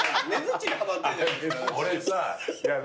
ちにハマってんじゃない。